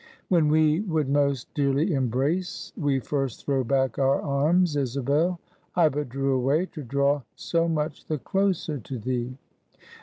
"When we would most dearly embrace, we first throw back our arms, Isabel; I but drew away, to draw so much the closer to thee."